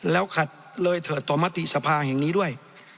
แล้วขัดเลยเถิดต่อมติสภาแห่งนี้ด้วย